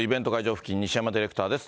付近に西山ディレクターです。